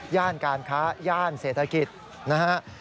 ย่านการค้าย่านเศรษฐกิจนะครับ